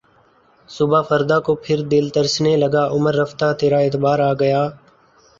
صبح فردا کو پھر دل ترسنے لگا عمر رفتہ ترا اعتبار آ گیا